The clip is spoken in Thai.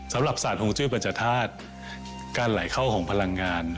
สำหรับศาสตร์ฮงจื้อปัญจธาตุการไหลเข้าของพลังงาน